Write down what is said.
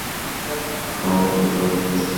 সমবেত লোকেরা বিস্ফোরিত নেত্রে চোখ তুলে তাকিয়ে আছে।